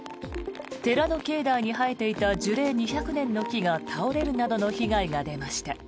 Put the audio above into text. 寺の境内に生えていた樹齢２００年の木が倒れるなどの被害が出ました。